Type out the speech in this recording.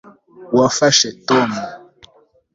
wafashe tom